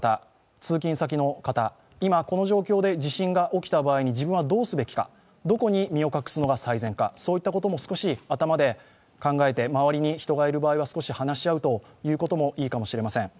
通勤先の方、今、この状況で地震が起きた場合に自分はどうすべきか、どこに身を隠すのが最善か、そういったことを少し頭で考えて、周りに人がいる場合は少し話し合うこともいいかもしれません。